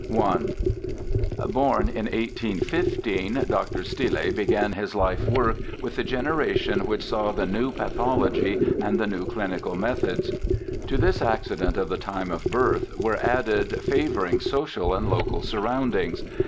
I Born in 1815, Dr. Stille began his life work with the generation which saw the new pathology and the new clinical methods. To this accident of the time of birth were added favouring social and local surroundings.